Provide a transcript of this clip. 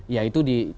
ya itu di tentukan